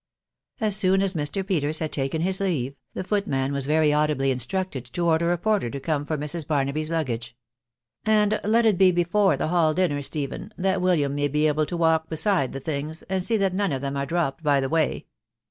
As soon as Mr. Peters had taken his leave, the footman was very audibly instructed to order a porter to come for Mrs. Barnaby's luggage ;" And let it be before the hall dinner, Stephen, that William may be able to walk beside the things, and see that none of them are dropped by the way."